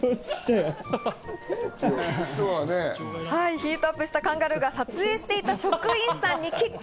ヒートアップしたカンガルーが撮影していた職員さんにキック。